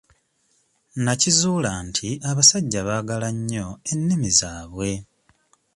Nnakizuula nti abasajja baagala nnyo ennimi zaabwe.